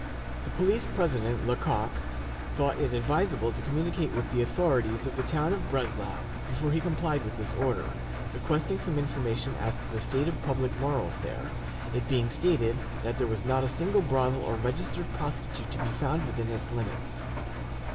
The police president, Lecoq, thought it advisable to communicate with the authorities of the town of Breslau before he complied with this order, requesting some information as to the state of public morals there, it being stated that there was not a single brothel or registered prostitute to be found within its limits.